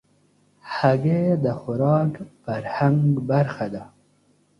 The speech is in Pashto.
هګۍ د خوراک فرهنګ برخه ده.